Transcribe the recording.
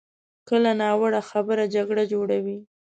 کله ناوړه خبره جګړه جوړوي.